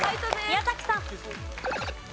宮崎さん。